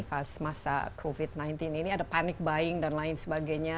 pas masa covid sembilan belas ini ada panic buying dan lain sebagainya